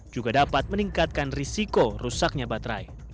juga dapat meningkatkan risiko rusaknya baterai